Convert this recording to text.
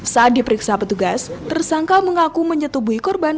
saat diperiksa petugas tersangka mengaku menyetubuhi korban